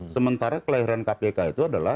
sementara kelahiran kpk itu adalah